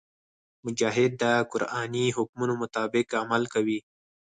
مجاهد د قرآني حکمونو مطابق عمل کوي.